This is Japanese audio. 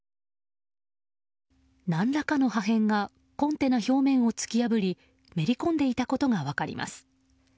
何らかの破片がコンテナ表面を突き破りめり込んでいたことが分かります。